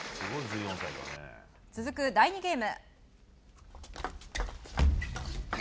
続く第２ゲーム。